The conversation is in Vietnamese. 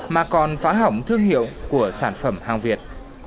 mà còn phá hỏng thương hiệu của sản phẩm hàng việt